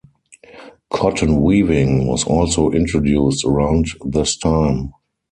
Cotton weaving was also introduced around this time.